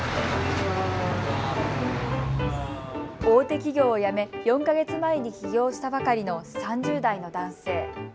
大手企業を辞め４か月前に起業したばかりの３０代の男性。